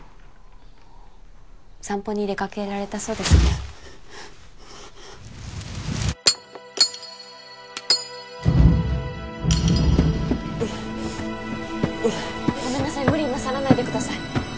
散歩に出かけられたそうですねうっうっごめんなさい無理なさらないでください